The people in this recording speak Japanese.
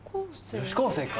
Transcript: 女子高生か。